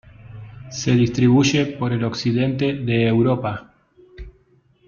Se distribuye por el occidente de Europa.